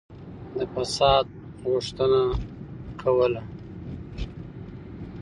د فساد غوښتنه کوله.